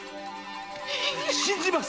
信じます！